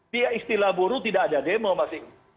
pihak istilah buruh tidak ada demo mas iqbal